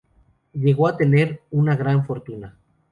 Llegó a tener una gran fortuna.